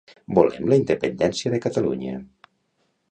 Volem la independència de Catalunya